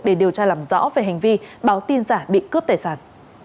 để điều tra làm rõ về hành vi báo tin giả bị cướp tài sản